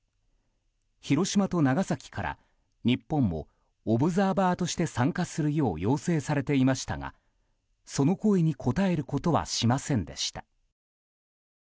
広島と長崎から日本もオブザーバーとして参加するよう要請されていましたがその声に応えることはしませんでした。